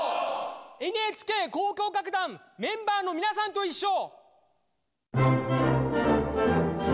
ＮＨＫ交響楽団メンバーのみなさんといっしょ！